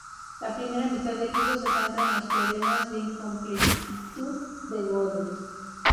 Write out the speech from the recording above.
La primera mitad del libro se centra en los teoremas de incompletitud de Gödel.